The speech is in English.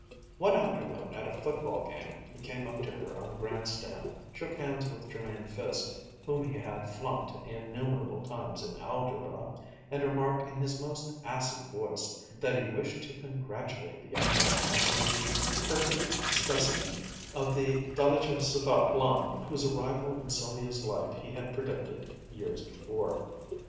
One afternoon, at a football game, he came up to her on the grandstand, shook hands with Jermain Fiske, whom he had flunked innumerable times in algebra, and remarked in his most acid voice that he wished to congratulate the young man on being the perfect specimen of the dolichocephalic blond whose arrival in Sylvia's life he had predicted years before.